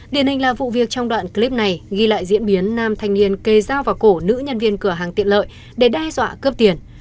điển hình là vụ việc trong đoạn clip này ghi lại diễn biến nam thanh niên kê dao vào cổ nữ nhân viên cửa hàng tiện lợi để đe dọa cướp tiền